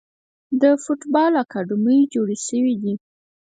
د فوټبال اکاډمۍ جوړې شوي دي.